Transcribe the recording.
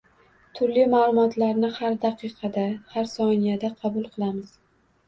Turli ma`lumotlarni har daqiqada, har soniyada qabul qilamiz